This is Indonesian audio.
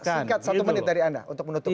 singkat satu menit dari anda untuk menutup